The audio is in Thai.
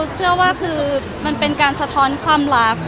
ทุกคนต้องใจหว่าคือคือมันเป็นการสะท้อนความรัก